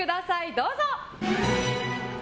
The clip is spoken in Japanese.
どうぞ！